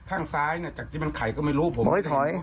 ข้างซ้ายเนี่ยจากจิมันไข่ก็ไม่รู้ผมบอกให้ถอย